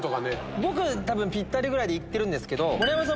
僕多分ぴったりぐらいで行ってるんですけど盛山さん